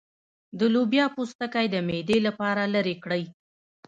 د لوبیا پوستکی د معدې لپاره لرې کړئ